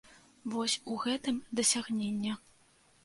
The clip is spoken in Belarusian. Вось у гэтым дасягненне.